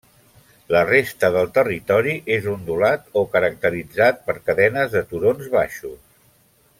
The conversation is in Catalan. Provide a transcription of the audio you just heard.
La resta del territori és ondulat o caracteritzat per cadenes de turons baixos.